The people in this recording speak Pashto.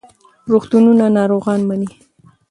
روغتونونه ناروغان مني.